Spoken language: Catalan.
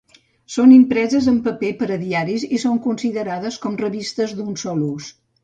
Són impreses en paper per a diaris i són considerades com revistes d'un sol ús.